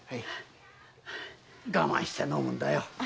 我慢して飲むんだよ。